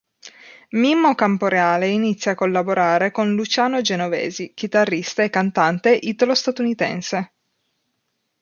Mimmo Camporeale inizia a collaborare con Luciano Genovesi, chitarrista e cantante italo-statunitense.